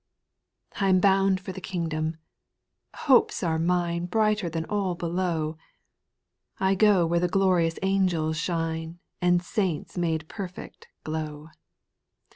2. I am bound for the kingdom I Hopes ara mine Brighter than all below ; I go where the glorious angels shine, And saints made perfect glow.